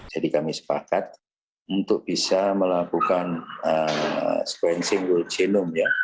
jadi kami sepakat untuk bisa melakukan sequencing world genome ya